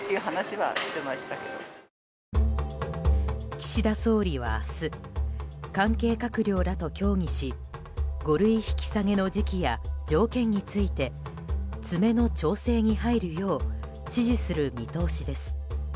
岸田総理は明日、関係閣僚らと協議し五類引き下げの時期や条件について詰めの調整に入るよう指示する見通しです。